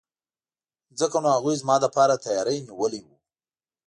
ځکه نو هغوی زما لپاره تیاری نیولی وو.